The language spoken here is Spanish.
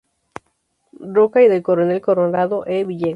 Roca y del coronel Conrado E. Villegas.